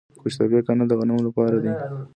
قوش تیپه کانال د غنمو لپاره دی.